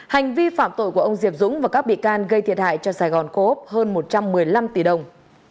hành vi phạm tội của ông diệp dũng và các bị can gây thiệt hại cho sài gòn cố úc hơn một trăm một mươi năm tỷ đồng